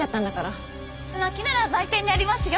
薪なら売店にありますよ。